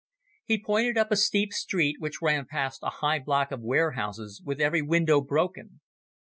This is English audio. He pointed up a steep street which ran past a high block of warehouses with every window broken.